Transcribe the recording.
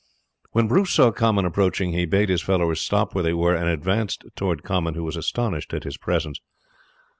When Bruce saw Comyn approaching he bade his followers stop where they were and advanced towards Comyn, who was astonished at his presence.